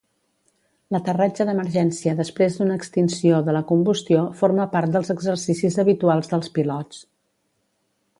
L'aterratge d'emergència després d'una extinció de la combustió forma part dels exercicis habituals dels pilots.